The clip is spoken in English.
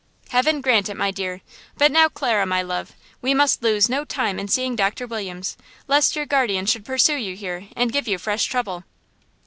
"Heaven grant it, my dear! But now, Clara, my love, we must lose no time in seeing Doctor Williams, lest your guardian should pursue you here and give you fresh trouble."